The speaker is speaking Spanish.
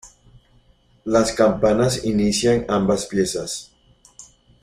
Las campanas inician ambas piezas.